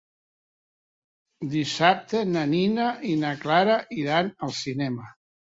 Dissabte na Nina i na Clara iran al cinema.